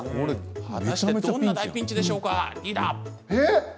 果たしてどんな大ピンチでしょうか、リーダー。